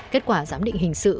kết quả giám định hình sự